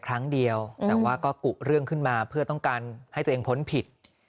แต่ว่าก็กุรึ่งขึ้นมาเพื่อต้องการให้ตัวเองพ้นผิด